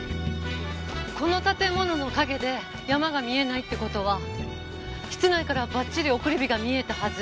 この建物の陰で山が見えないって事は室内からはばっちり送り火が見えたはず。